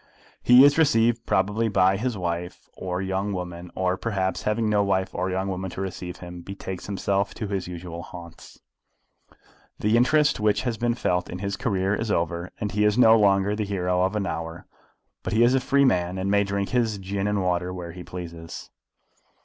He is received probably by his wife or young woman, or perhaps, having no wife or young woman to receive him, betakes himself to his usual haunts. The interest which has been felt in his career is over, and he is no longer the hero of an hour; but he is a free man, and may drink his gin and water where he pleases.